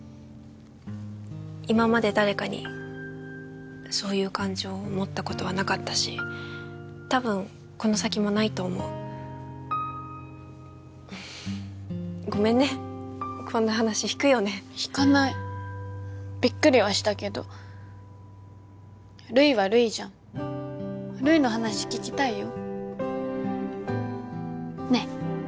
今まで誰かにそういう感情持ったことはなかったしたぶんこの先もないと思うごめんねこんな話ひくよねひかないびっくりはしたけど留依は留依じゃん留依の話聞きたいよ